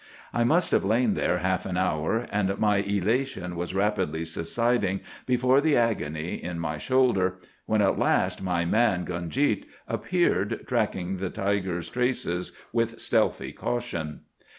"'I must have lain there half an hour, and my elation was rapidly subsiding before the agony in my shoulder, when at last my man, Gunjeet, appeared, tracking the tiger's traces with stealthy caution.